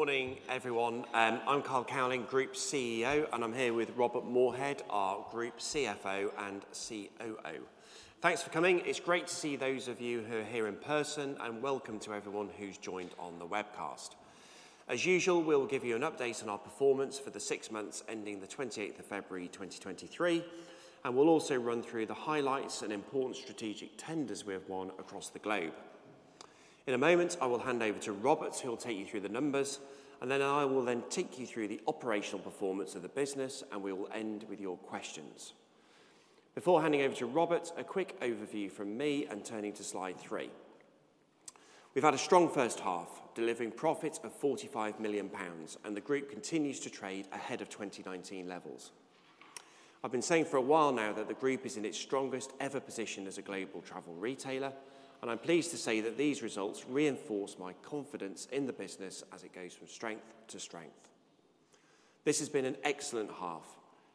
Morning, everyone. I'm Carl Cowling, Group CEO, and I'm here with Robert Moorhead, our Group CFO and COO. Thanks for coming. It's great to see those of you who are here in person, welcome to everyone who's joined on the webcast. As usual, we'll give you an update on our performance for the six months ending the 28th of February 2023, we'll also run through the highlights and important strategic tenders we have won across the globe. In a moment, I will hand over to Robert, who'll take you through the numbers, I will then take you through the operational performance of the business, we will end with your questions. Before handing over to Robert, a quick overview from me, turning to slide three. We've had a strong H1, delivering profits of 45 million pounds. The group continues to trade ahead of 2019 levels. I've been saying for a while now that the group is in its strongest ever position as a global travel retailer. I'm pleased to say that these results reinforce my confidence in the business as it goes from strength to strength. This has been an excellent half,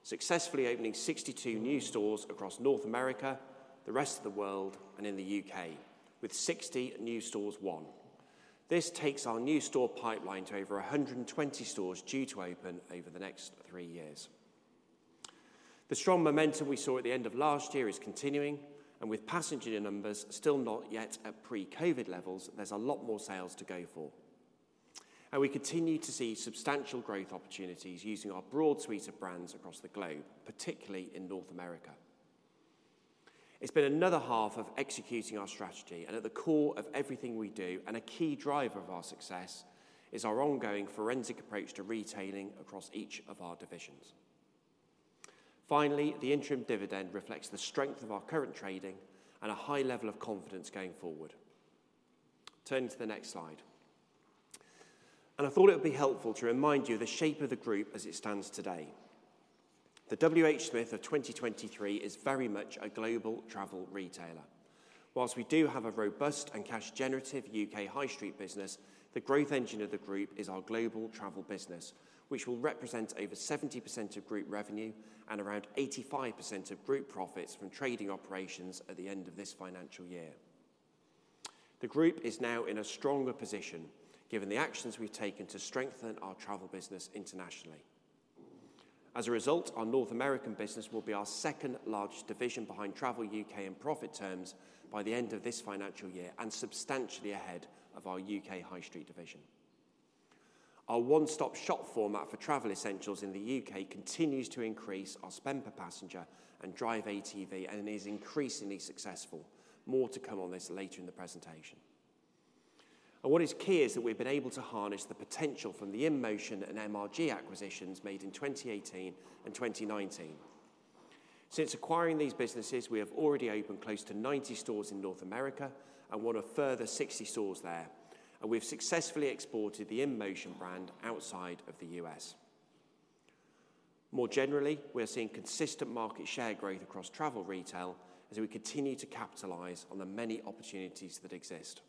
successfully opening 62 new stores across North America, the rest of the world, and in the U.K., with 60 new stores won. This takes our new store pipeline to over 120 stores due to open over the next three years. The strong momentum we saw at the end of last year is continuing. With passenger numbers still not yet at pre-COVID levels, there's a lot more sales to go for. We continue to see substantial growth opportunities using our broad suite of brands across the globe, particularly in North America. It's been another half of executing our strategy, and at the core of everything we do, and a key driver of our success, is our ongoing forensic approach to retailing across each of our divisions. Finally, the interim dividend reflects the strength of our current trading and a high level of confidence going forward. Turning to the next slide. I thought it would be helpful to remind you of the shape of the group as it stands today. The WHSmith of 2023 is very much a global travel retailer. We do have a robust and cash-generative U.K. high street business, the growth engine of the group is our global travel business, which will represent over 70% of group revenue and around 85% of group profits from trading operations at the end of this financial year. The group is now in a stronger position given the actions we've taken to strengthen our travel business internationally. Our North American business will be our second-largest division behind Travel U.K. in profit terms by the end of this financial year and substantially ahead of our U.K. high street division. Our one-stop-shop format for travel essentials in the U.K. continues to increase our spend per passenger and drive ATV, and it is increasingly successful. More to come on this later in the presentation. What is key is that we've been able to harness the potential from the InMotion and MRG acquisitions made in 2018 and 2019. Since acquiring these businesses, we have already opened close to 90 stores in North America and won a further 60 stores there. We've successfully exported the InMotion brand outside of the U.S. More generally, we are seeing consistent market share growth across travel retail as we continue to capitalize on the many opportunities that exist.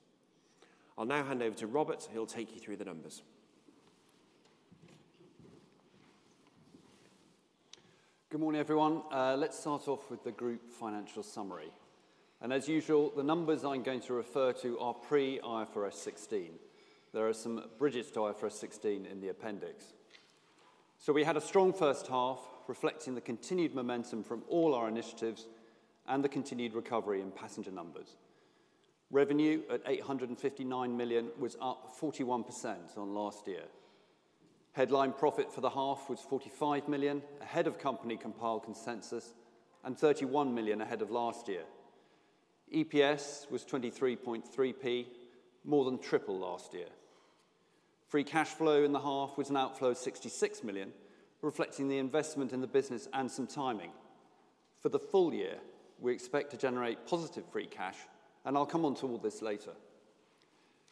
I'll now hand over to Robert, who'll take you through the numbers. Good morning, everyone. Let's start off with the group financial summary. As usual, the numbers I'm going to refer to are pre-IFRS 16. There are some bridges to IFRS 16 in the appendix. We had a strong H1 reflecting the continued momentum from all our initiatives and the continued recovery in passenger numbers. Revenue at 859 million was up 41% on last year. Headline profit for the half was 45 million, ahead of company compiled consensus and 31 million ahead of last year. EPS was 23.3%, more than triple last year. Free cash flow in the half was an outflow of 66 million, reflecting the investment in the business and some timing. For the full year, we expect to generate positive free cash, and I'll come onto all this later.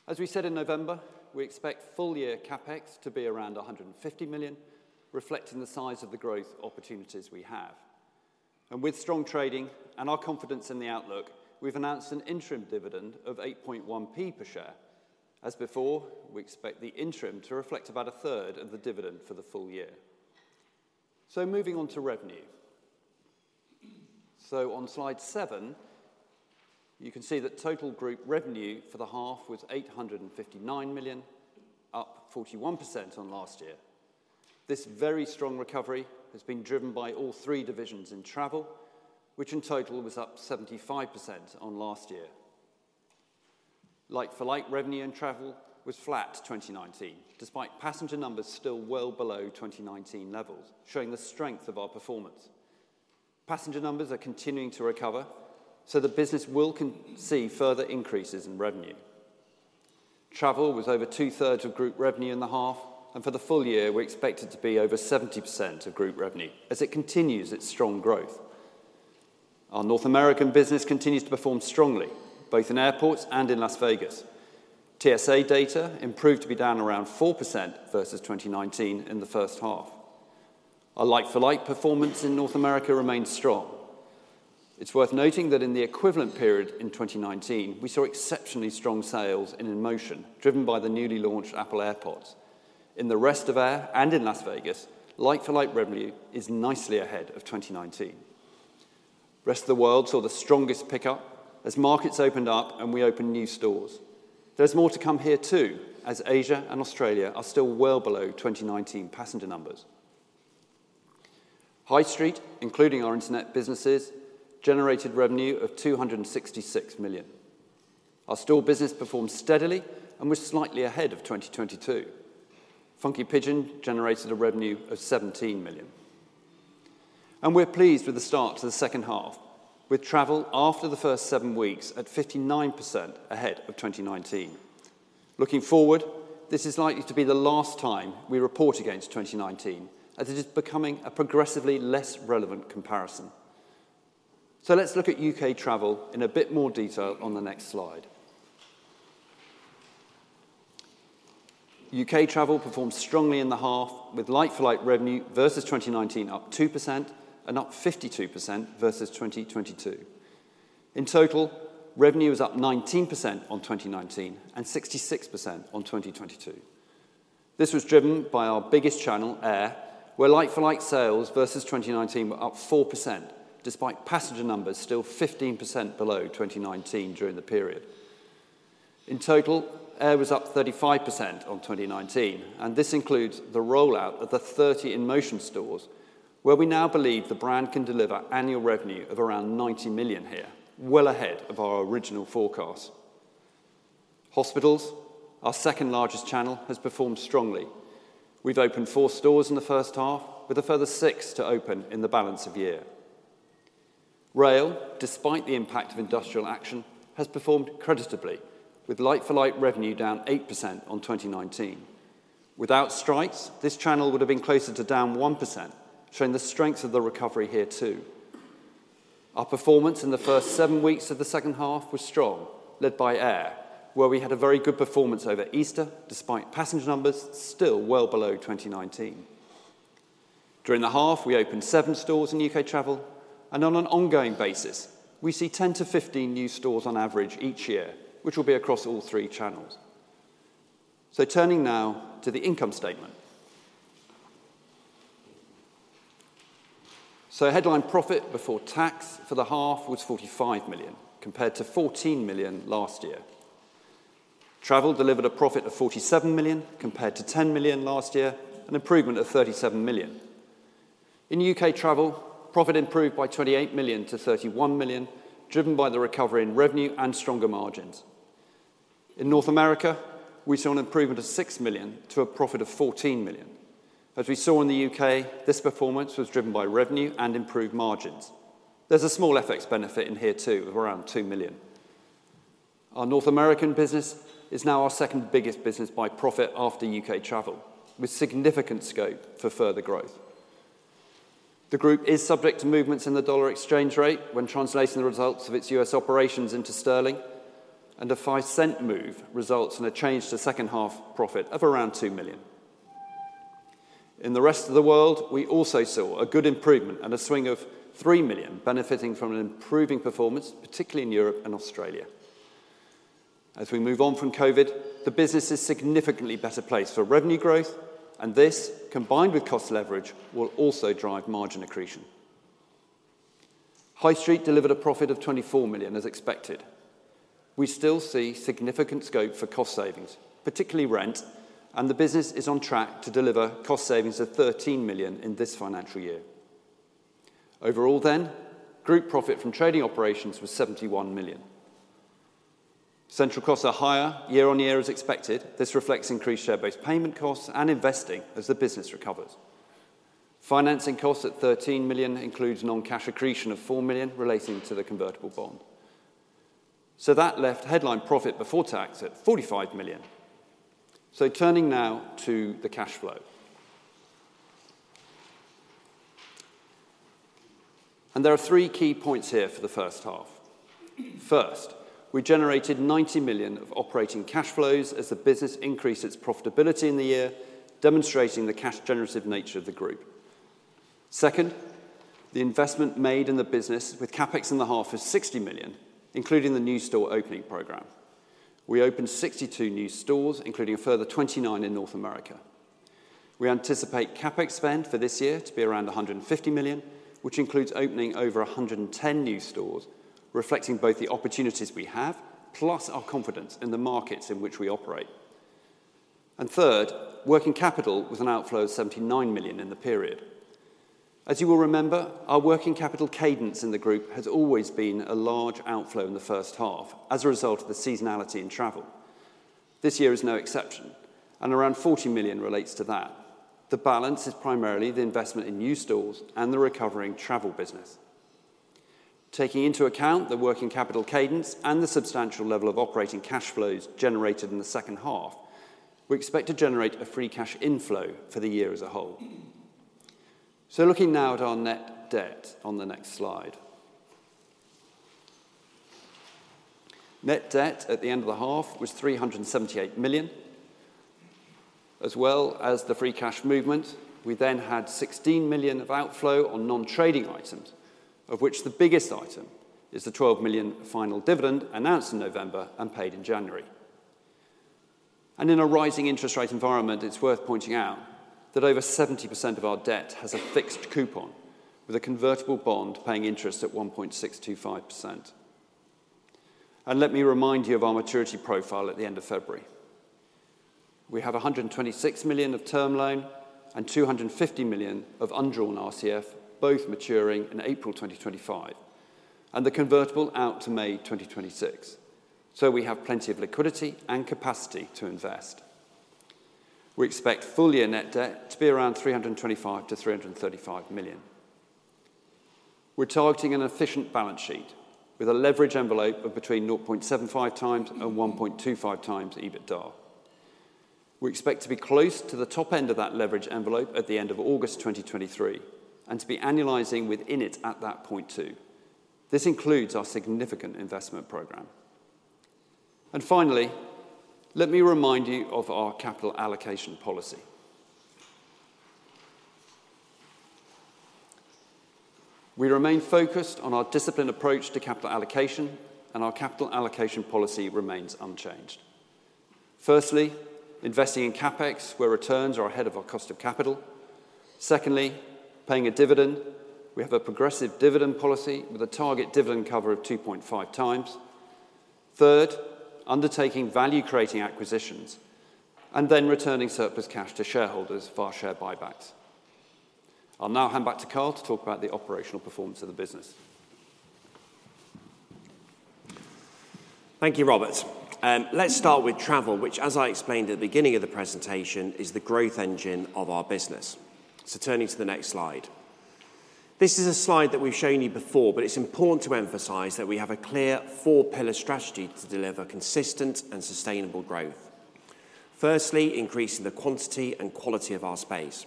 As we said in November, we expect full year CapEx to be around 150 million, reflecting the size of the growth opportunities we have. With strong trading and our confidence in the outlook, we've announced an interim dividend of 8.1p per share. As before, we expect the interim to reflect about a third of the dividend for the full year. Moving on to revenue. On slide 7, you can see that total group revenue for the half was 859 million, up 41% on last year. This very strong recovery has been driven by all three divisions in travel, which in total was up 75% on last year. Like-for-like revenue in travel was flat to 2019, despite passenger numbers still well below 2019 levels, showing the strength of our performance. Passenger numbers are continuing to recover. The business will see further increases in revenue. Travel was over two-thirds of group revenue in the half, and for the full year, we expect it to be over 70% of group revenue as it continues its strong growth. Our North American business continues to perform strongly, both in airports and in Las Vegas. TSA data improved to be down around 4% versus 2019 in the H1. Our like-for-like performance in North America remains strong. It's worth noting that in the equivalent period in 2019, we saw exceptionally strong sales in InMotion, driven by the newly launched Apple AirPods. In the rest of air and in Las Vegas, like-for-like revenue is nicely ahead of 2019. The rest of the world saw the strongest pickup as markets opened up and we opened new stores. There's more to come here, too, as Asia and Australia are still well below 2019 passenger numbers. High Street, including our internet businesses, generated revenue of 266 million. Our store business performed steadily and was slightly ahead of 2022. Funky Pigeon generated a revenue of 17 million. We're pleased with the start to the H2, with travel after the first seven weeks at 59% ahead of 2019. Looking forward, this is likely to be the last time we report against 2019, as it is becoming a progressively less relevant comparison. Let's look at UK Travel in a bit more detail on the next slide. UK Travel performed strongly in the half, with like-for-like revenue versus 2019 up 2% and up 52% versus 2022. In total, revenue was up 19% on 2019 and 66% on 2022. This was driven by our biggest channel, air, where like-for-like sales versus 2019 were up 4%, despite passenger numbers still 15% below 2019 during the period. In total, air was up 35% on 2019, and this includes the rollout of the 30 InMotion stores, where we now believe the brand can deliver annual revenue of around 90 million, well ahead of our original forecast. Hospitals, our second-largest channel, has performed strongly. We've opened four stores in the H1, with a further 6 to open in the balance of year. Rail, despite the impact of industrial action, has performed creditably, with like-for-like revenue down 8% on 2019. Without strikes, this channel would have been closer to down 1%, showing the strength of the recovery here, too. Our performance in the first seven weeks of the H2 was strong, led by air, where we had a very good performance over Easter, despite passenger numbers still well below 2019. During the half, we opened seven stores in UK travel, and on an ongoing basis, we see 10-15 new stores on average each year, which will be across all three channels. Turning now to the income statement. Headline profit before tax for the half was 45 million, compared to 14 million last year. Travel delivered a profit of 47 million, compared to 10 million last year, an improvement of 37 million. In UK travel, profit improved by 28 million to 31 million, driven by the recovery in revenue and stronger margins. In North America, we saw an improvement of 6 million to a profit of 14 million. As we saw in the U.K., this performance was driven by revenue and improved margins. There's a small FX benefit in here, too, of around 2 million. Our North American business is now our second-biggest business by profit after U.K. travel, with significant scope for further growth. The group is subject to movements in the dollar exchange rate when translating the results of its U.S. operations into sterling, and a $0.05 move results in a change to H2 profit of around 2 million. In the rest of the world, we also saw a good improvement and a swing of 3 million, benefiting from an improving performance, particularly in Europe and Australia. As we move on from COVID, the business is significantly better placed for revenue growth, and this, combined with cost leverage, will also drive margin accretion. High Street delivered a profit of 24 million, as expected. We still see significant scope for cost savings, particularly rent, the business is on track to deliver cost savings of 13 million in this financial year. Overall, group profit from trading operations was 71 million. Central costs are higher year-on-year, as expected. This reflects increased share-based payment costs and investing as the business recovers. Financing costs at 13 million includes non-cash accretion of 4 million relating to the convertible bond. That left headline profit before tax at 45 million. Turning now to the cash flow. There are three key points here for the H1. First, we generated 90 million of operating cash flows as the business increased its profitability in the year, demonstrating the cash-generative nature of the group. Second, the investment made in the business with CapEx in the half is 60 million, including the new store opening program. We opened 62 new stores, including a further 29 in North America. We anticipate CapEx spend for this year to be around 150 million, which includes opening over 110 new stores, reflecting both the opportunities we have plus our confidence in the markets in which we operate. Third, working capital was an outflow of 79 million in the period. As you will remember, our working capital cadence in the group has always been a large outflow in the H1 as a result of the seasonality in travel. This year is no exception, and around 40 million relates to that. The balance is primarily the investment in new stores and the recovering travel business. Taking into account the working capital cadence and the substantial level of operating cash flows generated in the H2, we expect to generate a free cash inflow for the year as a whole. Looking now at our net debt on the next slide. Net debt at the end of the half was 378 million. As well as the free cash movement, we then had 16 million of outflow on non-trading items, of which the biggest item is the 12 million final dividend announced in November and paid in January. In a rising interest rate environment, it's worth pointing out that over 70% of our debt has a fixed coupon with a convertible bond paying interest at 1.625%. Let me remind you of our maturity profile at the end of February. We have 126 million of term loan and 250 million of undrawn RCF both maturing in April 2025, and the convertible out to May 2026. We have plenty of liquidity and capacity to invest. We expect full year net debt to be around 325 million-335 million. We're targeting an efficient balance sheet with a leverage envelope of between 0.75 times and 1.25 times EBITDA. We expect to be close to the top end of that leverage envelope at the end of August 2023 and to be annualizing within it at that point too. This includes our significant investment program. Finally, let me remind you of our capital allocation policy. We remain focused on our disciplined approach to capital allocation, and our capital allocation policy remains unchanged. Firstly, investing in CapEx where returns are ahead of our cost of capital. Secondly, paying a dividend. We have a progressive dividend policy with a target dividend cover of 2.5 times. Third, undertaking value-creating acquisitions and then returning surplus cash to shareholders via share buybacks. I'll now hand back to Carl to talk about the operational performance of the business. Thank you, Robert. Let's start with travel, which as I explained at the beginning of the presentation, is the growth engine of our business. Turning to the next slide. This is a slide that we've shown you before, but it's important to emphasize that we have a clear four-pillar strategy to deliver consistent and sustainable growth. Firstly, increasing the quantity and quality of our space.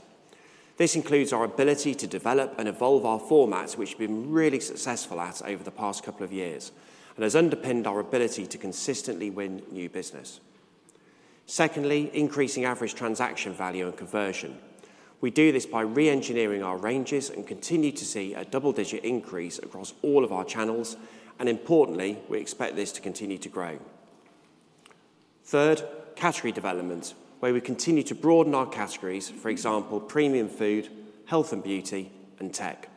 This includes our ability to develop and evolve our formats, which we've been really successful at over the past couple of years and has underpinned our ability to consistently win new business. Secondly, increasing average transaction value and conversion. We do this by re-engineering our ranges and continue to see a double-digit increase across all of our channels, and importantly, we expect this to continue to grow. Third, category development, where we continue to broaden our categories, for example, premium food, health and beauty, and tech.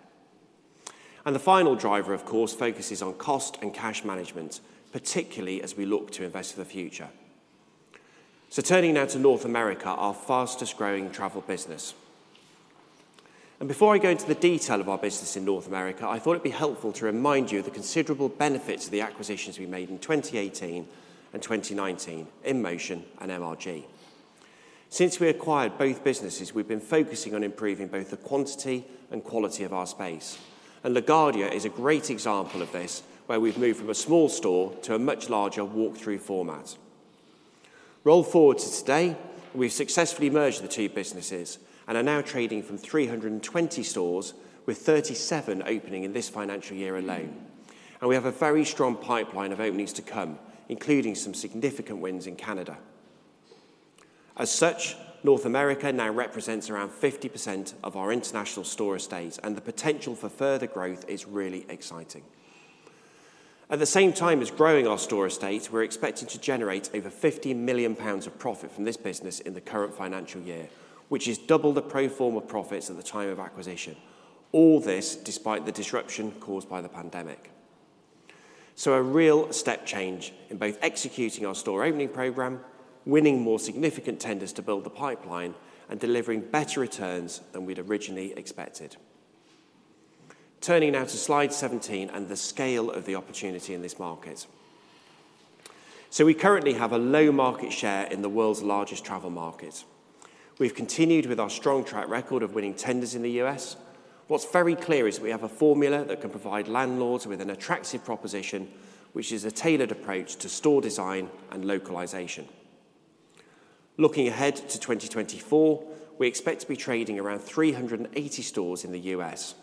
The final driver, of course, focuses on cost and cash management, particularly as we look to invest for the future. Turning now to North America, our fastest-growing travel business. Before I go into the detail of our business in North America, I thought it'd be helpful to remind you of the considerable benefits of the acquisitions we made in 2018 and 2019, InMotion and MRG. Since we acquired both businesses, we've been focusing on improving both the quantity and quality of our space, and LaGuardia is a great example of this, where we've moved from a small store to a much larger walk-through format. Roll forward to today, we've successfully merged the two businesses and are now trading from 320 stores with 37 opening in this financial year alone. We have a very strong pipeline of openings to come, including some significant wins in Canada. As such, North America now represents around 50% of our international store estate, and the potential for further growth is really exciting. At the same time as growing our store estate, we're expecting to generate over 50 million pounds of profit from this business in the current financial year, which is double the pro forma profits at the time of acquisition. All this despite the disruption caused by the pandemic. A real step change in both executing our store opening program, winning more significant tenders to build the pipeline, and delivering better returns than we'd originally expected. Turning now to slide 17 and the scale of the opportunity in this market. We currently have a low market share in the world's largest travel market. We've continued with our strong track record of winning tenders in the US. What's very clear is we have a formula that can provide landlords with an attractive proposition, which is a tailored approach to store design and localization. Looking ahead to 2024, we expect to be trading around 380 stores in the US.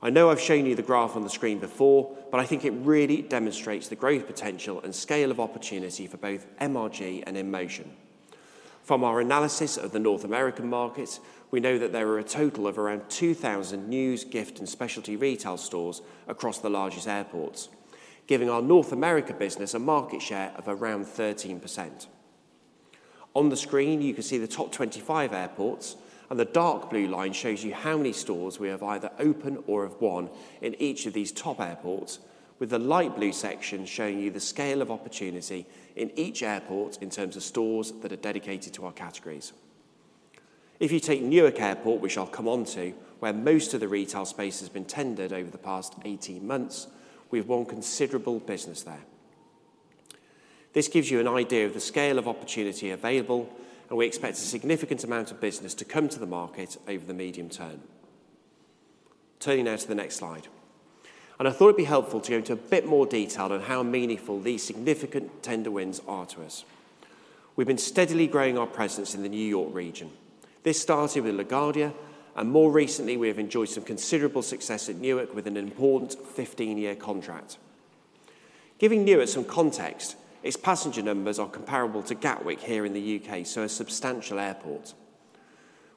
I know I've shown you the graph on the screen before, but I think it really demonstrates the growth potential and scale of opportunity for both MRG and InMotion. From our analysis of the North American market, we know that there are a total of around 2,000 news, gift, and specialty retail stores across the largest airports, giving our North America business a market share of around 13%. On the screen, you can see the top 25 airports. The dark blue line shows you how many stores we have either open or have won in each of these top airports, with the light blue section showing you the scale of opportunity in each airport in terms of stores that are dedicated to our categories. If you take Newark Airport, which I'll come on to, where most of the retail space has been tendered over the past 18 months, we've won considerable business there. This gives you an idea of the scale of opportunity available. We expect a significant amount of business to come to the market over the medium term. Turning now to the next slide. I thought it'd be helpful to go into a bit more detail on how meaningful these significant tender wins are to us. We've been steadily growing our presence in the New York region. This started with LaGuardia, and more recently, we have enjoyed some considerable success at Newark with an important 15-year contract. Giving Newark some context, its passenger numbers are comparable to Gatwick here in the U.K., so a substantial airport.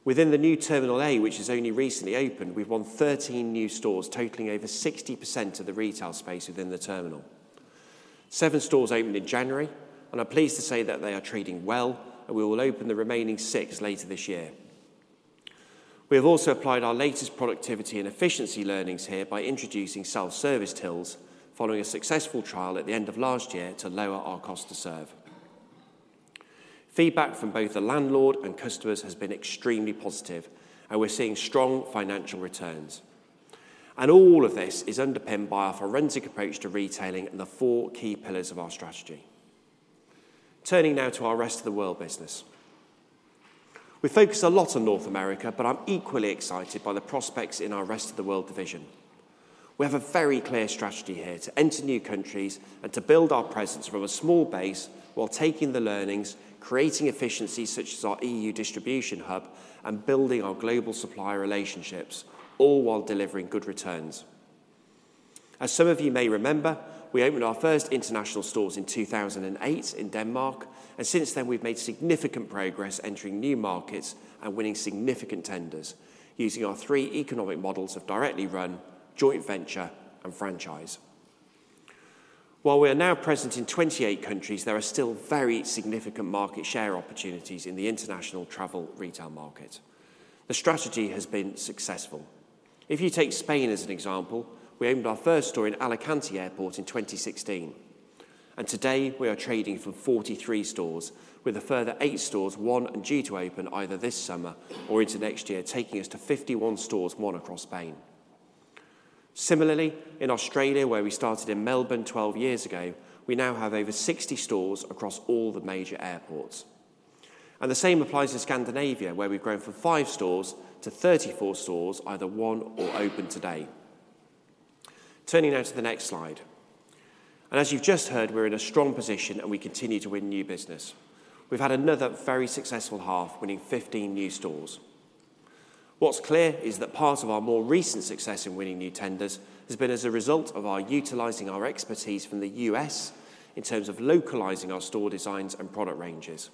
Within the new Terminal A, which has only recently opened, we've won 13 new stores totaling over 60% of the retail space within the terminal. Seven stores opened in January. We are pleased to say that they are trading well, and we will open the remaining six later this year. We have also applied our latest productivity and efficiency learnings here by introducing self-service tills following a successful trial at the end of last year to lower our cost to serve. Feedback from both the landlord and customers has been extremely positive. We're seeing strong financial returns. All of this is underpinned by our forensic approach to retailing and the four key pillars of our strategy. Turning now to our Rest of the World business. We focus a lot on North America. I'm equally excited by the prospects in our Rest of the World division. We have a very clear strategy here to enter new countries and to build our presence from a small base while taking the learnings, creating efficiencies such as our EU distribution hub, and building our global supplier relationships, all while delivering good returns. As some of you may remember, we opened our first international stores in 2008 in Denmark. Since then, we've made significant progress entering new markets and winning significant tenders using our three economic models of directly run, joint venture, and franchise. While we are now present in 28 countries, there are still very significant market share opportunities in the international travel retail market. The strategy has been successful. If you take Spain as an example, we opened our first store in Alicante Airport in 2016, and today we are trading from 43 stores with a further eight stores won and due to open either this summer or into next year, taking us to 51 stores won across Spain. Similarly, in Australia, where we started in Melbourne 12 years ago, we now have over 60 stores across all the major airports. The same applies to Scandinavia, where we've grown from five stores to 34 stores either won or open today. Turning now to the next slide. As you've just heard, we're in a strong position and we continue to win new business. We've had another very successful half, winning 15 new stores. What's clear is that part of our more recent success in winning new tenders has been as a result of our utilizing our expertise from the U.S. in terms of localizing our store designs and product ranges.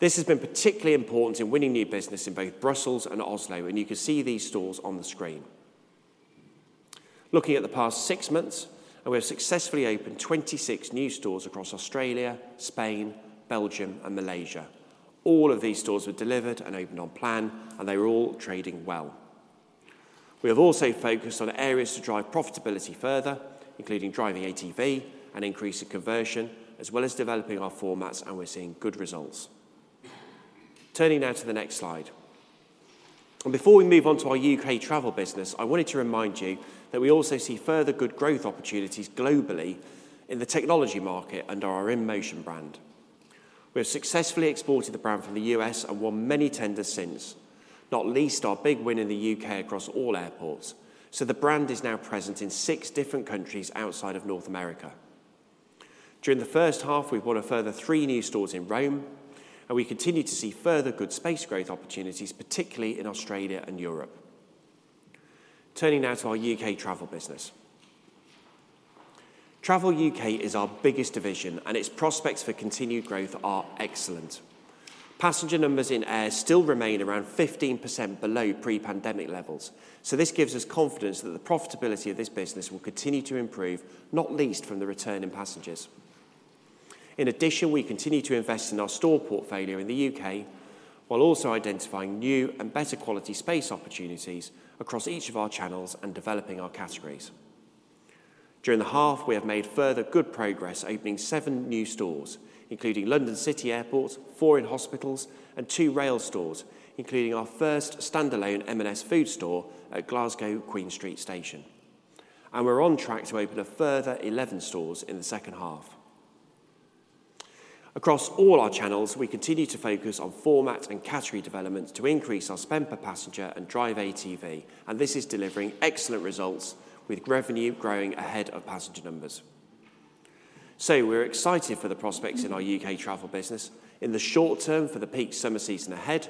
This has been particularly important in winning new business in both Brussels and Oslo. You can see these stores on the screen. Looking at the past six months, we have successfully opened 26 new stores across Australia, Spain, Belgium and Malaysia. All of these stores were delivered and opened on plan, and they are all trading well. We have also focused on areas to drive profitability further, including driving ATV and increasing conversion, as well as developing our formats, and we're seeing good results. Turning now to the next slide. Before we move on to our UK Travel business, I wanted to remind you that we also see further good growth opportunities globally in the technology market under our InMotion brand. We have successfully exported the brand from the U.S. and won many tenders since, not least our big win in the U.K. across all airports. The brand is now present in six different countries outside of North America. During the H1, we've won a further three new stores in Rome, and we continue to see further good space growth opportunities, particularly in Australia and Europe. Turning now to our UK Travel business. Travel U.K. is our biggest division, and its prospects for continued growth are excellent. Passenger numbers in air still remain around 15% below pre-pandemic levels. This gives us confidence that the profitability of this business will continue to improve, not least from the return in passengers. In addition, we continue to invest in our store portfolio in the U.K., while also identifying new and better quality space opportunities across each of our channels and developing our categories. During the half, we have made further good progress opening seven new stores, including London City Airport, four in hospitals and two rail stores, including our first standalone M&S food store at Glasgow Queen Street station. We're on track to open a further 11 stores in the H2. Across all our channels, we continue to focus on format and category development to increase our spend per passenger and drive ATV. This is delivering excellent results with revenue growing ahead of passenger numbers. We're excited for the prospects in our UK travel business in the short term for the peak summer season ahead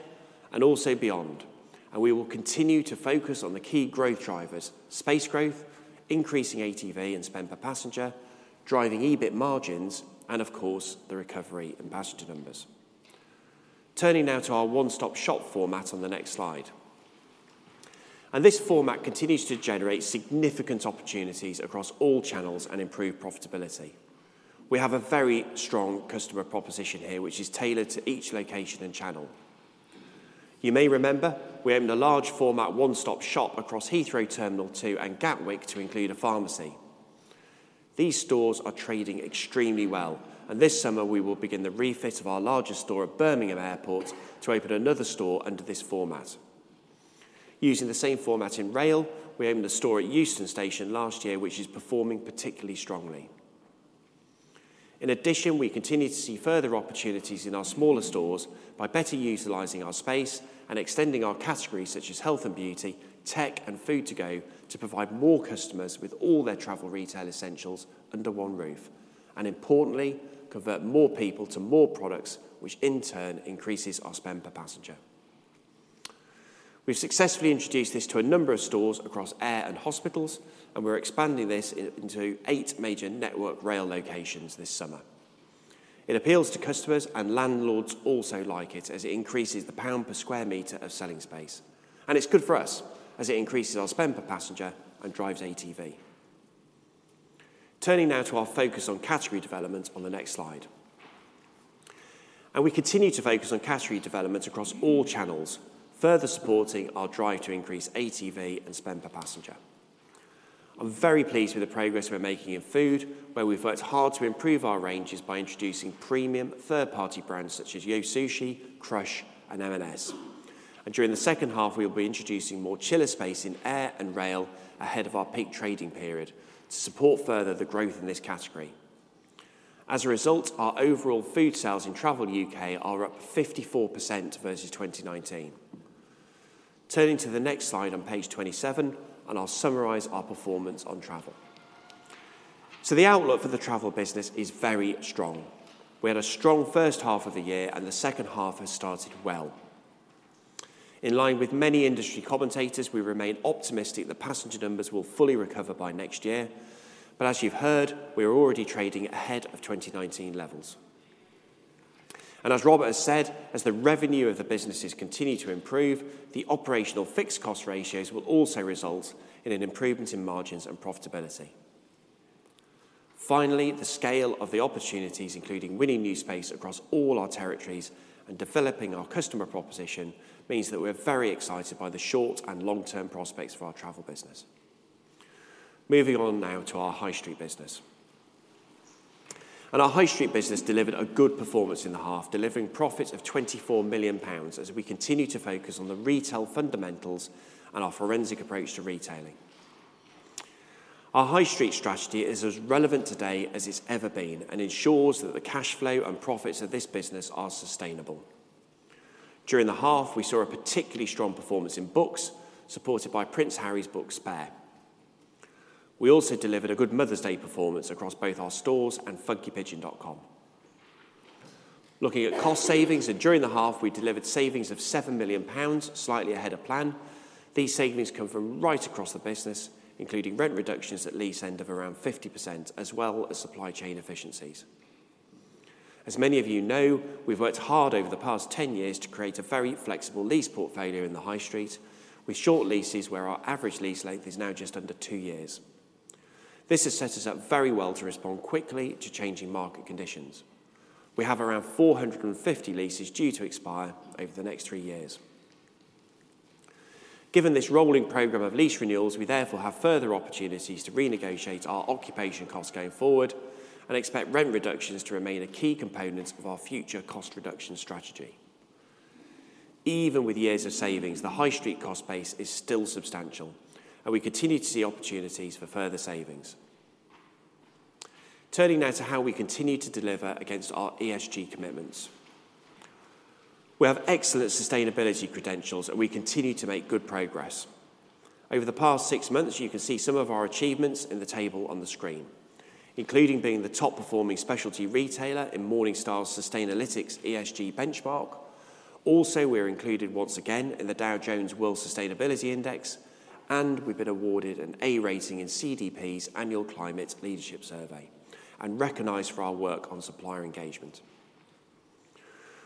and also beyond. We will continue to focus on the key growth drivers, space growth, increasing ATV and spend per passenger, driving EBIT margins and of course the recovery in passenger numbers. Turning now to our one-stop shop format on the next slide. This format continues to generate significant opportunities across all channels and improve profitability. We have a very strong customer proposition here, which is tailored to each location and channel. You may remember we opened a large format, one-stop shop across Heathrow Terminal 2 and Gatwick to include a pharmacy. These stores are trading extremely well, and this summer we will begin the refit of our largest store at Birmingham Airport to open another store under this format. Using the same format in rail, we opened a store at Euston Station last year, which is performing particularly strongly. In addition, we continue to see further opportunities in our smaller stores by better utilizing our space and extending our categories such as health and beauty, tech and food to go, to provide more customers with all their travel retail essentials under one roof and importantly, convert more people to more products which in turn increases our spend per passenger. We've successfully introduced this to a number of stores across air and hospitals, and we're expanding this into eight major network rail locations this summer. It appeals to customers and landlords also like it as it increases the pound per square meter of selling space. It's good for us as it increases our spend per passenger and drives ATV. Turning now to our focus on category development on the next slide. We continue to focus on category development across all channels, further supporting our drive to increase ATV and spend per passenger. I'm very pleased with the progress we're making in food, where we've worked hard to improve our ranges by introducing premium third-party brands such as YO! Sushi, Crussh, and M&S. During the H2, we will be introducing more chiller space in air and rail ahead of our peak trading period to support further the growth in this category. As a result, our overall food sales in Travel U.K. are up 54% versus 2019. Turning to the next slide on page 27, and I'll summarize our performance on travel. The outlook for the travel business is very strong. We had a strong H1 of the year, the H2 has started well. In line with many industry commentators, we remain optimistic that passenger numbers will fully recover by next year. As you've heard, we are already trading ahead of 2019 levels. As Robert has said, as the revenue of the businesses continue to improve, the operational fixed cost ratios will also result in an improvement in margins and profitability. Finally, the scale of the opportunities, including winning new space across all our territories and developing our customer proposition, means that we are very excited by the short and long-term prospects of our travel business. Moving on now to our high street business. Our high street business delivered a good performance in the half, delivering profits of 24 million pounds as we continue to focus on the retail fundamentals and our forensic approach to retailing. Our high street strategy is as relevant today as it's ever been and ensures that the cash flow and profits of this business are sustainable. During the half, we saw a particularly strong performance in books, supported by Prince Harry's book Spare. We also delivered a good Mother's Day performance across both our stores and funkypigeon.com. Looking at cost savings, during the half, we delivered savings of 7 million pounds, slightly ahead of plan. These savings come from right across the business, including rent reductions at lease end of around 50% as well as supply chain efficiencies. As many of you know, we've worked hard over the past 10 years to create a very flexible lease portfolio in the high street with short leases where our average lease length is now just under two years. This has set us up very well to respond quickly to changing market conditions. We have around 450 leases due to expire over the next three years. Given this rolling program of lease renewals, we therefore have further opportunities to renegotiate our occupation costs going forward and expect rent reductions to remain a key component of our future cost reduction strategy. Even with years of savings, the high street cost base is still substantial, and we continue to see opportunities for further savings. Turning now to how we continue to deliver against our ESG commitments. We have excellent sustainability credentials, and we continue to make good progress. Over the past six months, you can see some of our achievements in the table on the screen, including being the top performing specialty retailer in Morningstar's Sustainalytics ESG Benchmark. We are included once again in the Dow Jones Sustainability World Index, and we've been awarded an A rating in CDP's annual Climate Leadership Survey and recognized for our work on supplier engagement.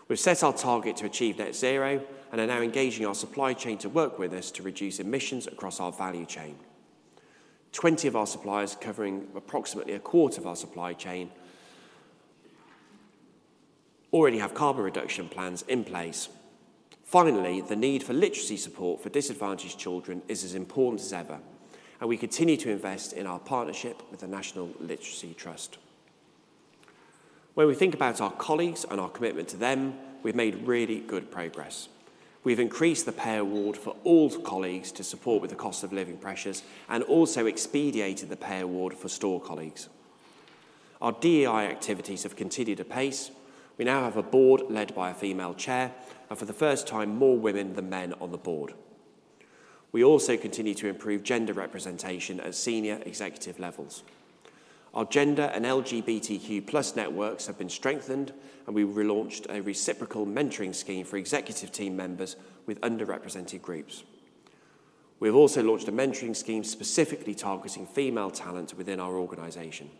We've set our target to achieve net zero and are now engaging our supply chain to work with us to reduce emissions across our value chain. 20 of our suppliers, covering approximately a quarter of our supply chain, already have carbon reduction plans in place. The need for literacy support for disadvantaged children is as important as ever, and we continue to invest in our partnership with the National Literacy Trust. When we think about our colleagues and our commitment to them, we've made really good progress. We've increased the pay award for all colleagues to support with the cost of living pressures and also expedited the pay award for store colleagues. Our DEI activities have continued apace. We now have a board led by a female chair and for the first time more women than men on the board. We also continue to improve gender representation at senior executive levels. Our gender and LGBTQ+ networks have been strengthened. We relaunched a reciprocal mentoring scheme for executive team members with underrepresented groups. We have also launched a mentoring scheme specifically targeting female talent within our organization.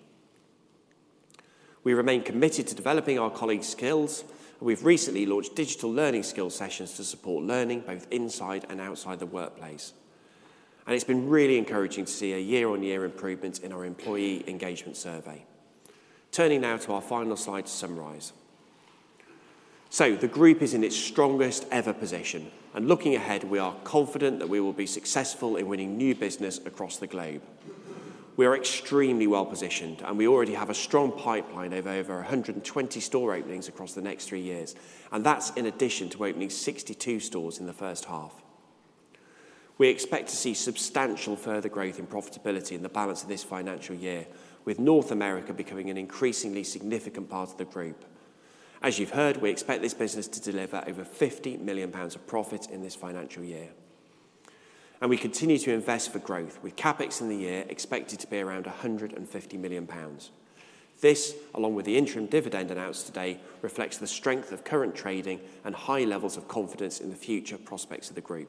We remain committed to developing our colleagues' skills. We've recently launched digital learning skill sessions to support learning both inside and outside the workplace. It's been really encouraging to see a year-on-year improvement in our employee engagement survey. Turning now to our final slide to summarize. The group is in its strongest ever position. Looking ahead, we are confident that we will be successful in winning new business across the globe. We are extremely well positioned, and we already have a strong pipeline of over 120 store openings across the next three years, and that's in addition to opening 62 stores in the H1. We expect to see substantial further growth in profitability in the balance of this financial year, with North America becoming an increasingly significant part of the group. As you've heard, we expect this business to deliver over 50 million pounds of profit in this financial year. We continue to invest for growth, with CapEx in the year expected to be around 150 million pounds. This, along with the interim dividend announced today, reflects the strength of current trading and high levels of confidence in the future prospects of the group.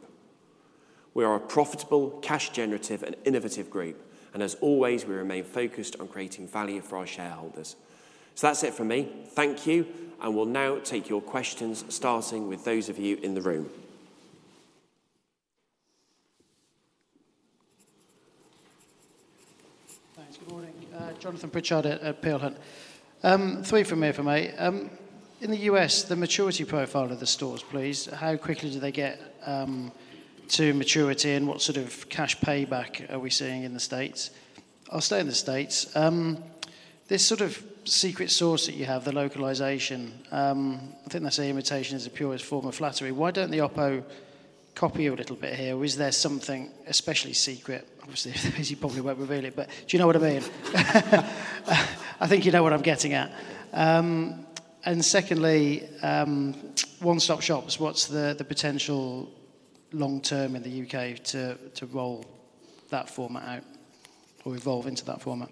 We are a profitable, cash generative, and innovative group. As always, we remain focused on creating value for our shareholders. That's it for me. Thank you, and we'll now take your questions, starting with those of you in the room. Thanks. Good morning. Jonathan Pritchard at Peel Hunt. Three from me if I may. In the U.S., the maturity profile of the stores, please, how quickly do they get to maturity, and what sort of cash payback are we seeing in the States? I'll stay in the States. This sort of secret sauce that you have, the localization, I think they say imitation is the purest form of flattery. Why don't the oppo copy you a little bit here? Is there something especially secret? Obviously, you probably won't reveal it, do you know what I mean? I think you know what I'm getting at. Secondly, one-stop shops, what's the potential long term in the U.K. to roll that format out or evolve into that format?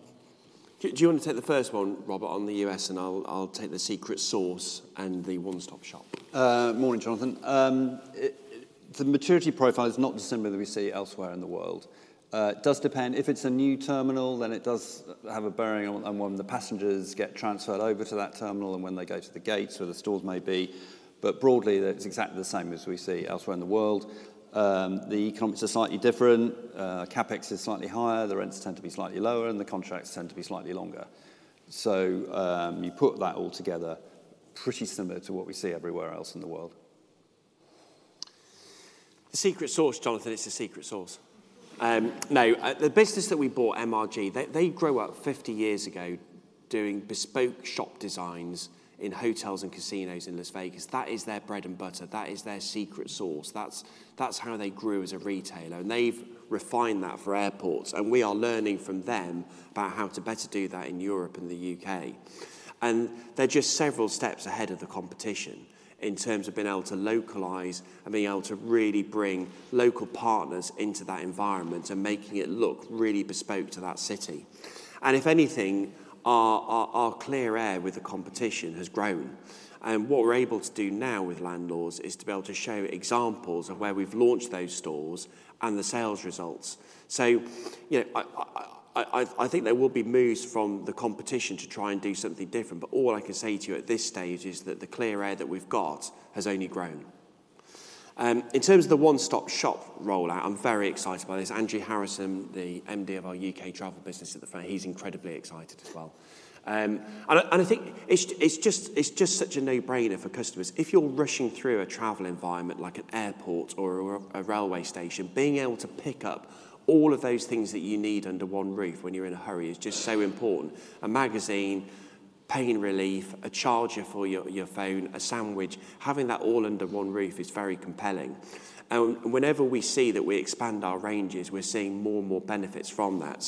Do you wanna take the first one, Robert, on the US, and I'll take the secret sauce and the one-stop shop. Morning, Jonathan. The maturity profile is not dissimilar that we see elsewhere in the world. It does depend. If it's a new terminal, then it does have a bearing on when the passengers get transferred over to that terminal and when they go to the gates where the stores may be. Broadly, it's exactly the same as we see elsewhere in the world. The comps are slightly different. CapEx is slightly higher. The rents tend to be slightly lower, and the contracts tend to be slightly longer. You put that all together, pretty similar to what we see everywhere else in the world. The secret sauce, Jonathan, it's the secret sauce. No, the business that we bought, MRG, they grew up 50 years ago doing bespoke shop designs in hotels and casinos in Las Vegas. That is their bread and butter. That is their secret sauce. That's how they grew as a retailer, they've refined that for airports, we are learning from them about how to better do that in Europe and the U.K. They're just several steps ahead of the competition in terms of being able to localize and being able to really bring local partners into that environment and making it look really bespoke to that city. If anything, our clear air with the competition has grown. What we're able to do now with landlords is to be able to show examples of where we've launched those stores and the sales results. You know, I think there will be moves from the competition to try and do something different, but all I can say to you at this stage is that the clear air that we've got has only grown. In terms of the one-stop shop rollout, I'm very excited by this. Andrew Harrison, the MD of our UK travel business at the front, he's incredibly excited as well. And I think it's just such a no-brainer for customers. If you're rushing through a travel environment like an airport or a railway station, being able to pick up all of those things that you need under one roof when you're in a hurry is just so important. A magazine, pain relief, a charger for your phone, a sandwich, having that all under one roof is very compelling. Whenever we see that we expand our ranges, we're seeing more and more benefits from that.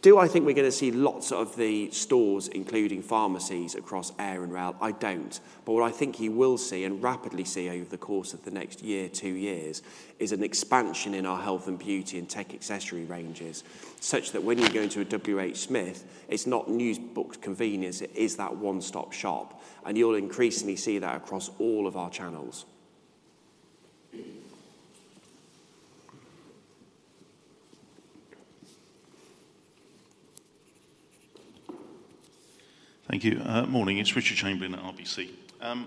Do I think we're gonna see lots of the stores, including pharmacies, across air and rail? I don't. What I think you will see, and rapidly see over the course of the next year, two years, is an expansion in our health and beauty and tech accessory ranges, such that when you go into a WHSmith, it's not news, books, convenience, it is that one-stop shop, and you'll increasingly see that across all of our channels. Thank you. Morning. It's Richard Chamberlain at RBC. Can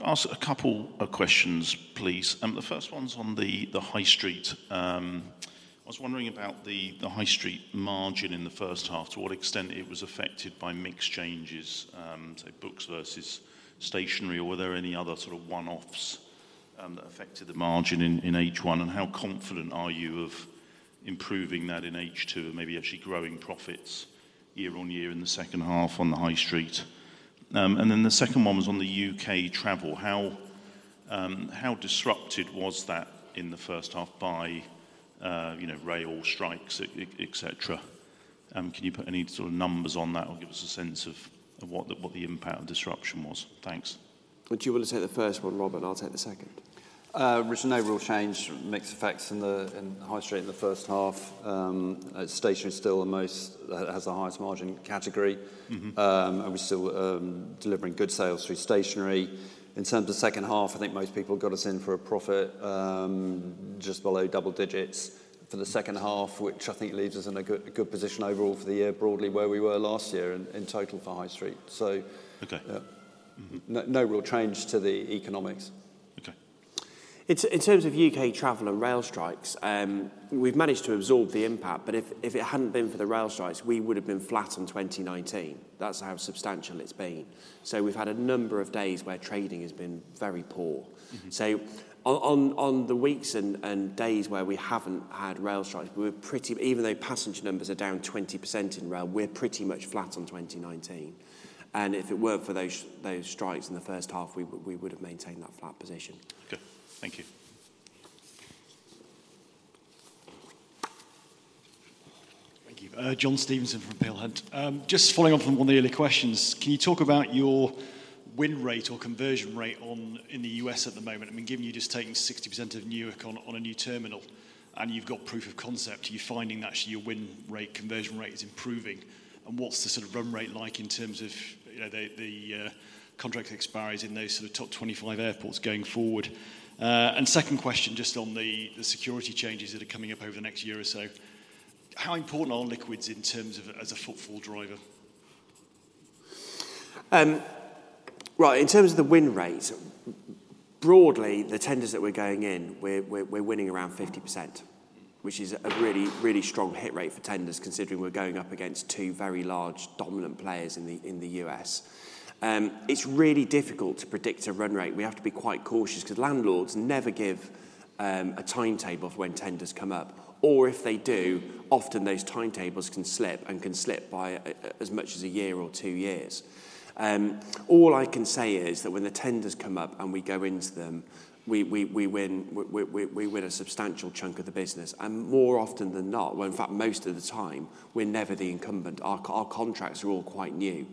I ask a couple of questions, please? The first one's on the high street. I was wondering about the high street margin in the H1, to what extent it was affected by mix changes, say, books versus stationery, or were there any other sort of one-offs that affected the margin in H1, and how confident are you of improving that in H2 or maybe actually growing profits year-on-year in the H2on the high street? The second one was on the UK travel. How disrupted was that in the H1 by, you know, rail strikes, et cetera? Can you put any sort of numbers on that or give us a sense of what the, what the impact of disruption was? Thanks. Would you be able to take the first one, Robert? I'll take the second. Richard, no real change from mix effects in the high street in the H1. Stationery is still the highest margin category. Mm-hmm. We're still delivering good sales through stationery. In terms of H2, I think most people got us in for a profit just below double digits for the H2, which I think leaves us in a good position overall for the year, broadly where we were last year in total for high street. Okay. Yeah. No real change to the economics. Okay. In terms of UK travel and rail strikes, we've managed to absorb the impact. If it hadn't been for the rail strikes, we would've been flat in 2019. That's how substantial it's been. We've had a number of days where trading has been very poor. Mm-hmm. On the weeks and days where we haven't had rail strikes, even though passenger numbers are down 20% in rail, we're pretty much flat on 2019, and if it weren't for those strikes in the H1, we would've maintained that flat position. Okay. Thank you. Thank you. John Stevenson from Peel Hunt. Just following on from one of the early questions, can you talk about your win rate or conversion rate on, in the U.S. at the moment? I mean, given you're just taking 60% of Newark on a new terminal? You've got proof of concept. Are you finding that actually your win rate, conversion rate is improving? What's the sort of run rate like in terms of, you know, the contracts that expires in those sort of top 25 airports going forward? Second question just on the security changes that are coming up over the next year or so. How important are liquids in terms of as a footfall driver? Right. In terms of the win rate, broadly, the tenders that we're going in, we're winning around 50%, which is a really, really strong hit rate for tenders considering we're going up against two very large dominant players in the US. It's really difficult to predict a run rate. We have to be quite cautious because landlords never give a timetable of when tenders come up, or if they do, often those timetables can slip and can slip by as much as a year or two years. All I can say is that when the tenders come up and we go into them, we win a substantial chunk of the business, and more often than not, well, in fact, most of the time, we're never the incumbent. Our contracts are all quite new.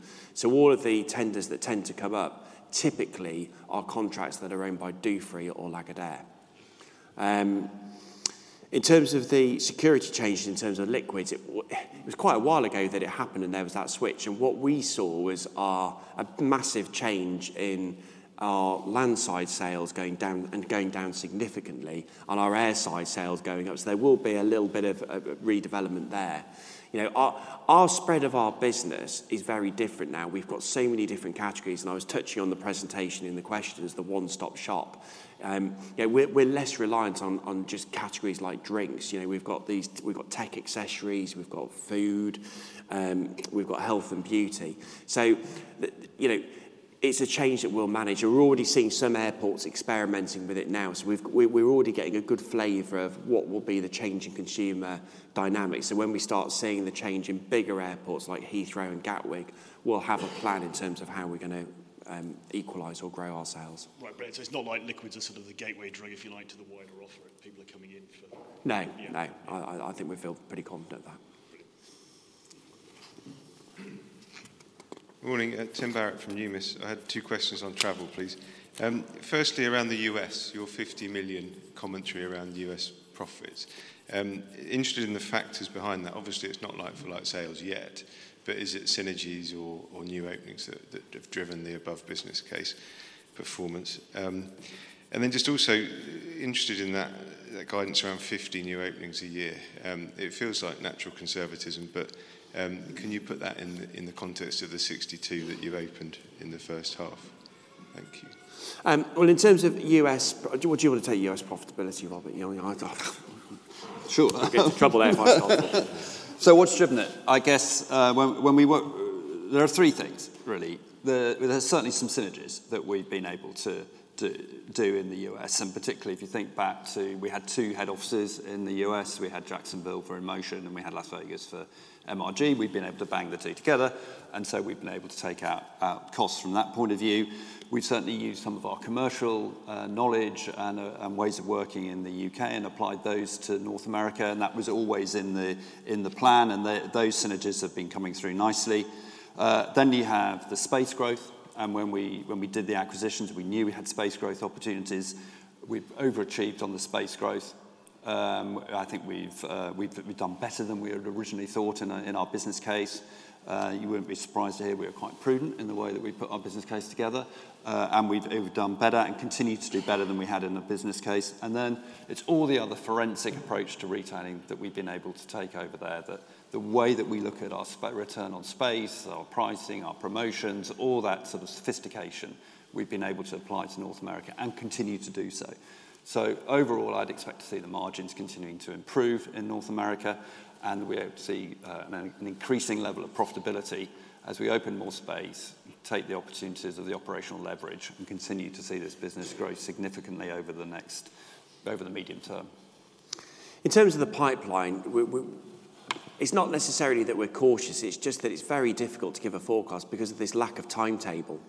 All of the tenders that tend to come up typically are contracts that are owned by Dufry or Lagardère. In terms of the security changes, in terms of liquids, it was quite a while ago that it happened and there was that switch, and what we saw was a massive change in our landside sales going down, and going down significantly, and our airside sales going up. There will be a little bit of redevelopment there. You know, our spread of our business is very different now. We've got so many different categories, and I was touching on the presentation in the questions, the one-stop shop. Yeah, we're less reliant on just categories like drinks. You know, we've got tech accessories, we've got food, we've got health and beauty. You know, it's a change that we'll manage. We're already seeing some airports experimenting with it now, so we're already getting a good flavor of what will be the change in consumer dynamics. When we start seeing the change in bigger airports like Heathrow and Gatwick, we'll have a plan in terms of how we're gonna equalize or grow our sales. Right. It's not like liquids are sort of the gateway drug, if you like, to the wider offering people are coming in for. No. Yeah. No. I think we feel pretty confident in that. Thank you. Morning. Tim Barrett from Numis. I had two questions on travel, please. Firstly, around the U.S., your $50 million commentary around U.S. profits. Interested in the factors behind that. Obviously, it's not like-for-like sales yet, but is it synergies or new openings that have driven the above business case performance? Just also interested in that guidance around 50 new openings a year. It feels like natural conservatism, but can you put that in the context of the 62 that you've opened in the H1? Thank you. Well, in terms of U.S. do you want to take U.S. profitability, Robert? You know, I… Sure. Get you into trouble, out of my comfort zone. What's driven it? I guess, when we There are three things really. There's certainly some synergies that we've been able to do in the U.S., and particularly if you think back to we had two head offices in the U.S. We had Jacksonville for InMotion, and we had Las Vegas for MRG. We've been able to bang the two together, and so we've been able to take out costs from that point of view. We've certainly used some of our commercial knowledge and ways of working in the U.K. and applied those to North America, and that was always in the plan, those synergies have been coming through nicely. You have the space growth, and when we did the acquisitions, we knew we had space growth opportunities. We've overachieved on the space growth. I think we've done better than we had originally thought in our business case. You wouldn't be surprised to hear we are quite prudent in the way that we put our business case together. We've done better and continue to do better than we had in the business case. Then it's all the other forensic approach to retailing that we've been able to take over there. The way that we look at our return on space, our pricing, our promotions, all that sort of sophistication we've been able to apply to North America and continue to do so. Overall, I'd expect to see the margins continuing to improve in North America, and we hope to see an increasing level of profitability as we open more space, take the opportunities of the operational leverage, and continue to see this business grow significantly over the medium term. In terms of the pipeline, It's not necessarily that we're cautious, it's just that it's very difficult to give a forecast because of this lack of timetable.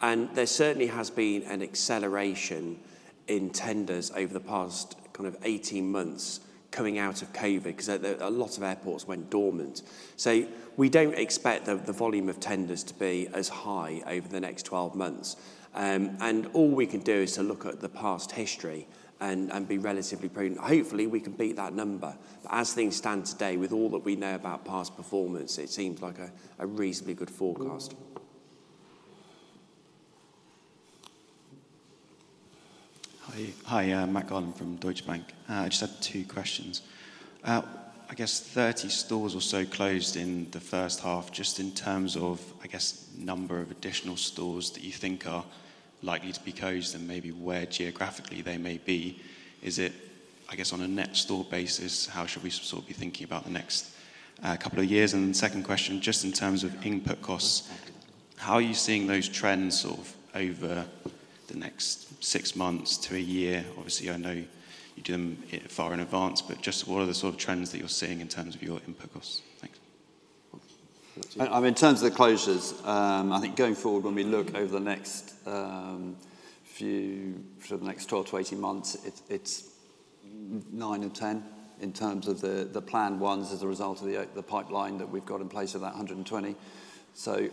There certainly has been an acceleration in tenders over the past kind of 18 months coming out of COVID, because there a lot of airports went dormant. We don't expect the volume of tenders to be as high over the next 12 months. All we can do is to look at the past history and be relatively prudent. Hopefully, we can beat that number. As things stand today, with all that we know about past performance, it seems like a reasonably good forecast. Hi. Hi, Matt Garland from Deutsche Bank. I just had two questions. I guess 30 stores or so closed in the H1. Just in terms of, I guess, number of additional stores that you think are likely to be closed and maybe where geographically they may be, is it, I guess, on a net store basis, how should we sort of be thinking about the next couple of years? Second question, just in terms of input costs, how are you seeing those trends sort of over the next six months to a year? Obviously, I know you do them far in advance, but just what are the sort of trends that you're seeing in terms of your input costs? Thanks. I mean, in terms of the closures, I think going forward when we look over the next few, sort of the next 12 to 18 months, it's 9 and 10 in terms of the planned ones as a result of the pipeline that we've got in place of that 120.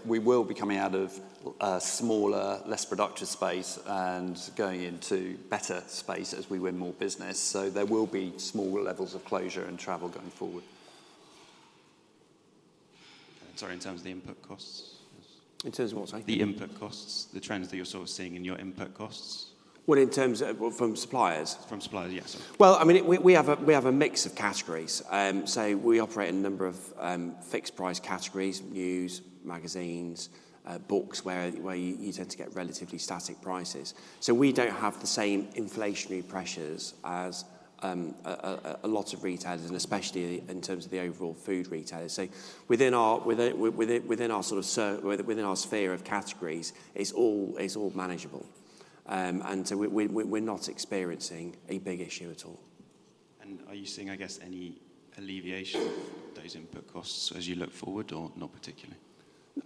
We will be coming out of smaller, less productive space and going into better space as we win more business. There will be smaller levels of closure in travel going forward. Sorry, in terms of the input costs? In terms of what, sorry? The input costs, the trends that you're sort of seeing in your input costs. Well, in terms of, well, from suppliers. From suppliers, yes. Well, I mean, we have a mix of categories. We operate a number of fixed price categories, news, magazines, books where you tend to get relatively static prices. We don't have the same inflationary pressures as a lot of retailers and especially in terms of the overall food retailers. Within our sphere of categories, it's all manageable. We're not experiencing a big issue at all. Are you seeing, I guess, any alleviation of those input costs as you look forward, or not particularly?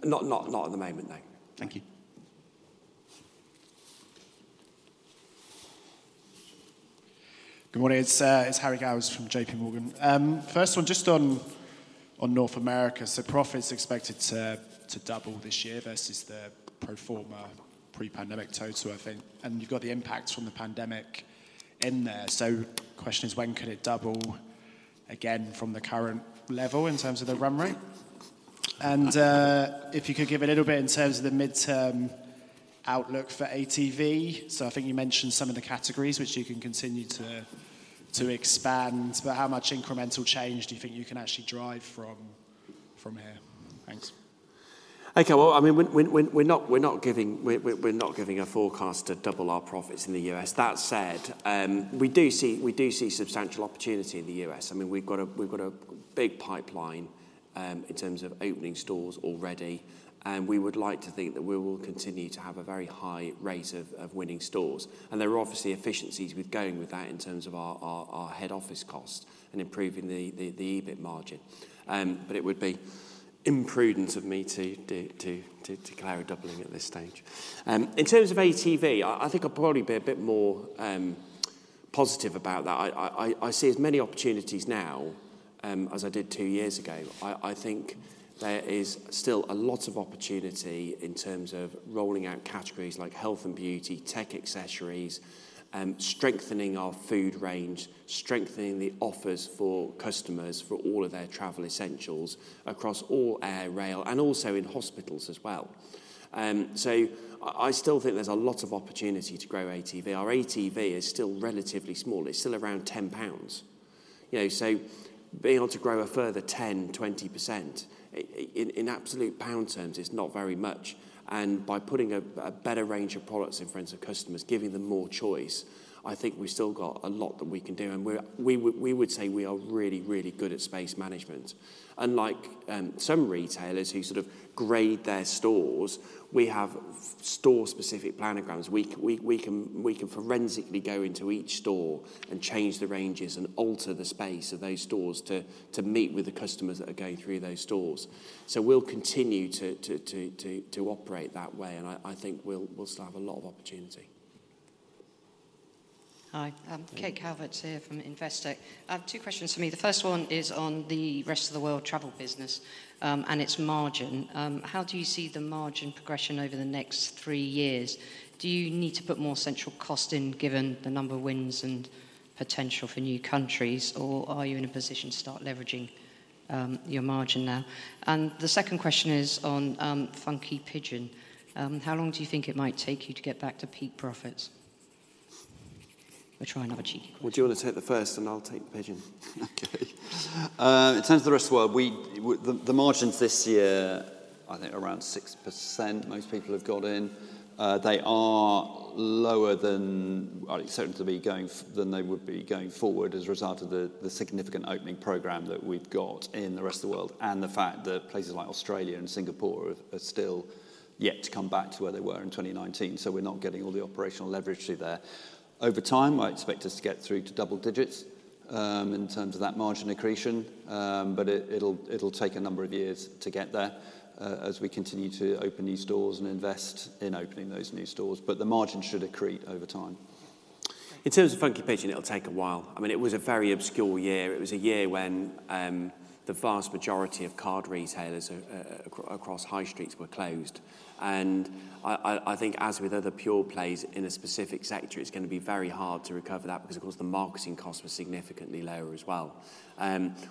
Not at the moment, no. Thank you. Good morning. It's Harry Gowers from J.P. Morgan. First one just on North America. Profit's expected to double this year versus the pro forma pre-pandemic total, I think, and you've got the impact from the pandemic in there. Question is, when could it double again from the current level in terms of the run rate? If you could give a little bit in terms of the midterm outlook for ATV. I think you mentioned some of the categories which you can continue to expand, but how much incremental change do you think you can actually drive from here? Thanks. Okay. Well, I mean, we're not giving a forecast to double our profits in the US. That said, we do see substantial opportunity in the US. I mean, we've got a big pipeline in terms of opening stores already, and we would like to think that we will continue to have a very high rate of winning stores. There are obviously efficiencies with going with that in terms of our head office cost and improving the EBIT margin. It would be imprudence of me to declare a doubling at this stage. In terms of ATV, I think I'd probably be a bit more positive about that. I see as many opportunities now as I did two years ago. I think there is still a lot of opportunity in terms of rolling out categories like health and beauty, tech accessories, strengthening our food range, strengthening the offers for customers for all of their travel essentials across all air, rail, and also in hospitals as well. I still think there's a lot of opportunity to grow ATV. Our ATV is still relatively small. It's still around 10 pounds. You know, so being able to grow a further 10%, 20% in absolute GBP terms is not very much, and by putting a better range of products in front of customers, giving them more choice, I think we've still got a lot that we can do, and we would, we would say we are really, really good at space management. Unlike some retailers who sort of grade their stores, we have store-specific planograms. We can, we can forensically go into each store and change the ranges and alter the space of those stores to meet with the customers that are going through those stores. We'll continue to operate that way, and I think we'll still have a lot of opportunity. Hi. Hey. Kate Calvert here from Investec. I have two questions for me. The first one is on the rest of the world travel business and its margin. How do you see the margin progression over the next three years? Do you need to put more central cost in given the number of wins and potential for new countries, or are you in a position to start leveraging your margin now? The second question is on Funky Pigeon. How long do you think it might take you to get back to peak profits? We'll try another cheeky question. Do you want to take the first, and I'll take Pigeon? Okay. In terms of the rest of the world, we, the margins this year are, I think, around 6% most people have got in. They are lower than I certainly be going than they would be going forward as a result of the significant opening program that we've got in the rest of the world and the fact that places like Australia and Singapore are still yet to come back to where they were in 2019. We're not getting all the operational leverage through there. Over time, I expect us to get through to double digits, in terms of that margin accretion, but it'll take a number of years to get there, as we continue to open new stores and invest in opening those new stores. The margin should accrete over time. In terms of Funky Pigeon, it'll take a while. I mean, it was a very obscure year. It was a year when the vast majority of card retailers across high streets were closed. I think as with other pure plays in a specific sector, it's gonna be very hard to recover that because, of course, the marketing costs were significantly lower as well.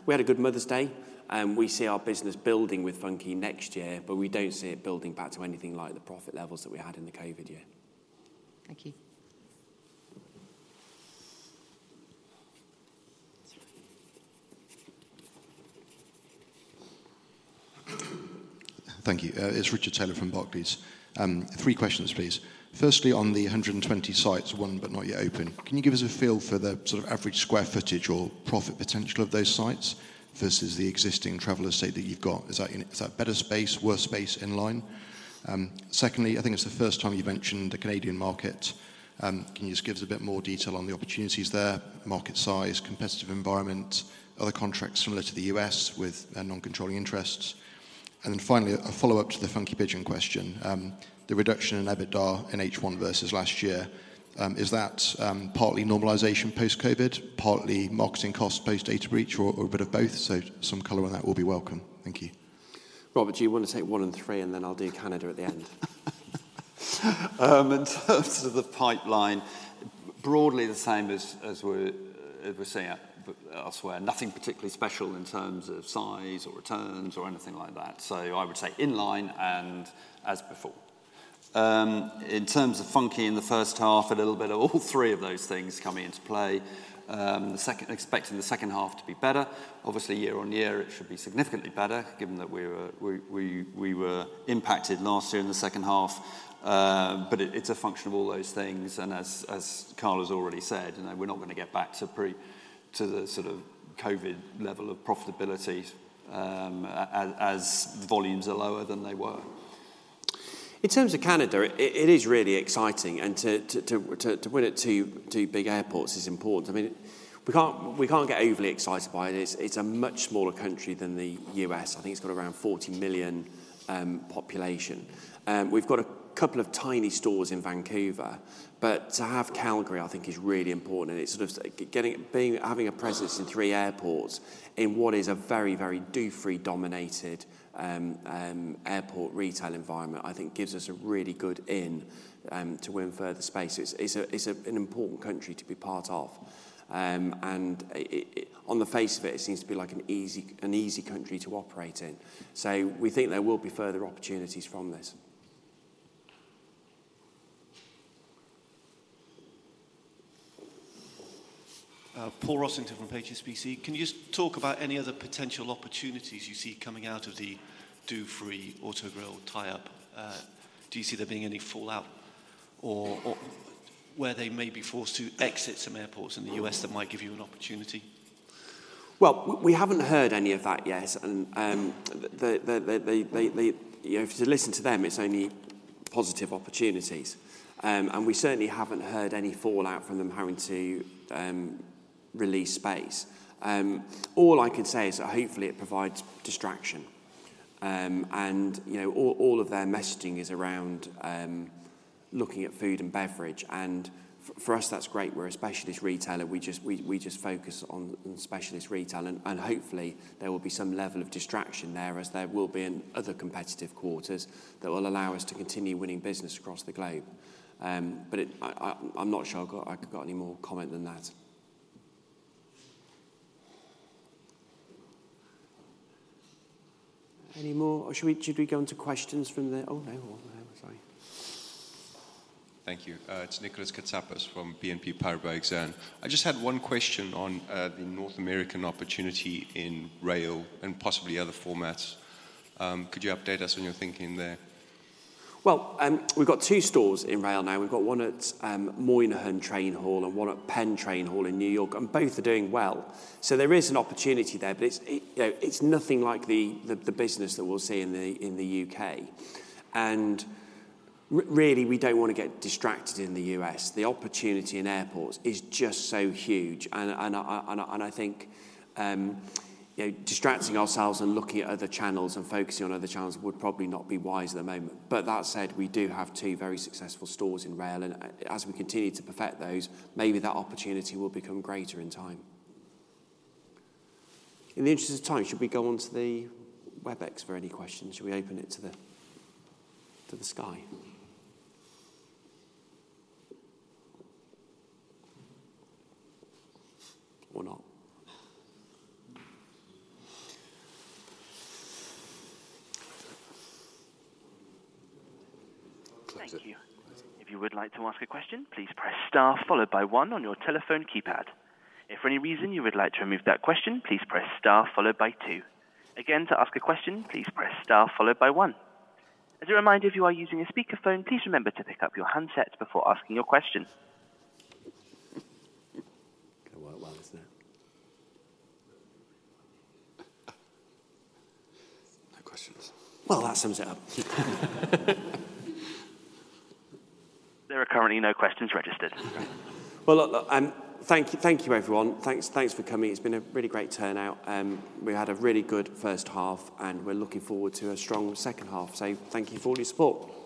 We had a good Mother's Day, and we see our business building with Funky next year, but we don't see it building back to anything like the profit levels that we had in the COVID year. Thank you. Sorry. Thank you. It's Richard Taylor from Barclays. Three questions, please. Firstly, on the 120 sites, one but not yet open, can you give us a feel for the sort of average square footage or profit potential of those sites versus the existing traveler estate that you've got? Is that better space, worse space, in line? Secondly, I think it's the first time you've mentioned the Canadian market. Can you just give us a bit more detail on the opportunities there, market size, competitive environment, other contracts similar to the US with non-controlling interests? Then finally, a follow-up to the Funky Pigeon question. The reduction in EBITDA in H1 versus last year, is that partly normalization post-COVID, partly marketing costs post-data breach or a bit of both? Some color on that will be welcome. Thank you. Robert, do you want to take one and three, and then I'll do Canada at the end? In terms of the pipeline, broadly the same as we're seeing elsewhere. Nothing particularly special in terms of size or returns or anything like that. I would say in line and as before. In terms of Funky in the H1, a little bit of all three of those things coming into play. Expecting the H2to be better. Obviously, year-on-year, it should be significantly better given that we were impacted last year in the H2. But it's a function of all those things, and as Carl has already said, you know, we're not gonna get back to the sort of COVID level of profitability, as volumes are lower than they were. In terms of Canada, it is really exciting. To win it to big airports is important. I mean, we can't get overly excited by it. It's a much smaller country than the U.S. I think it's got around 40 million population. We've got a couple of tiny stores in Vancouver. To have Calgary, I think is really important, and it's sort of having a presence in three airports in what is a very, very duty free dominated airport retail environment, I think gives us a really good in to win further space. It's an important country to be part of. It, on the face of it seems to be like an easy, an easy country to operate in. We think there will be further opportunities from this. Paul Rossington from HSBC. Can you just talk about any other potential opportunities you see coming out of the duty free Autogrill tie-up? Do you see there being any fallout or where they may be forced to exit some airports in the U.S. that might give you an opportunity? Well, we haven't heard any of that yet. The they, you know, if you listen to them, it's only positive opportunities. We certainly haven't heard any fallout from them having to release space. All I can say is that hopefully it provides distraction. You know, all of their messaging is around looking at food and beverage, for us, that's great. We're a specialist retailer. We just focus on specialist retail. Hopefully there will be some level of distraction there, as there will be in other competitive quarters that will allow us to continue winning business across the globe. I'm not sure I've got any more comment than that. Any more? Or should we go into questions from the... Oh, no. Oh, no. Sorry. Thank you. It's Nicolas Katsapas from BNP Paribas Exane. I just had one question on the North American opportunity in rail and possibly other formats. Could you update us on your thinking there? Well, we've got two stores in rail now. We've got one at Moynihan Train Hall and one at Penn Train Hall in New York, and both are doing well. There is an opportunity there, but it's, you know, it's nothing like the business that we'll see in the UK. Really, we don't wanna get distracted in the US. The opportunity in airports is just so huge and I think, you know, distracting ourselves and looking at other channels and focusing on other channels would probably not be wise at the moment. That said, we do have two very successful stores in rail, and as we continue to perfect those, maybe that opportunity will become greater in time. In the interest of time, should we go on to the Webex for any questions? Should we open it to the sky? Not? Thank you. If you would like to ask a question, please press star followed by one on your telephone keypad. If for any reason you would like to remove that question, please press star followed by two. Again, to ask a question, please press star followed by one. As a reminder, if you are using a speakerphone, please remember to pick up your handset before asking your question. Going well, well, isn't it? No questions. Well, that sums it up. There are currently no questions registered. Well, look, thank you everyone. Thanks for coming. It's been a really great turnout. We had a really good H1, we're looking forward to a strong H2. Thank you for all your support. Well done.